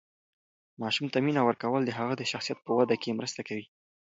ماشوم ته مینه ورکول د هغه د شخصیت په وده کې مرسته کوي.